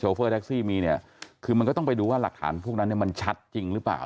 เฟอร์แท็กซี่มีเนี่ยคือมันก็ต้องไปดูว่าหลักฐานพวกนั้นเนี่ยมันชัดจริงหรือเปล่า